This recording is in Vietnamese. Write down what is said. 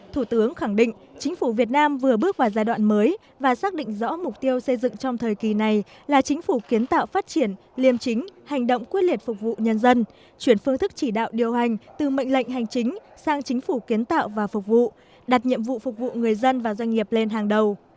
thủ tướng khẳng định chính phủ việt nam vừa bước vào giai đoạn mới và xác định rõ mục tiêu xây dựng trong thời kỳ này là chính phủ kiến tạo phát triển liêm chính hành động quyết liệt phục vụ nhân dân chuyển phương thức chỉ đạo điều hành từ mệnh lệnh hành chính sang chính phủ kiến tạo và phục vụ đặt nhiệm vụ phục vụ người dân và doanh nghiệp lên hàng đầu